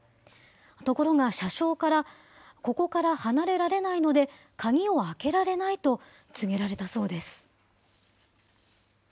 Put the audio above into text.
ところが車掌から、ここから離れられないので鍵を開けられないと、告げられたそうです。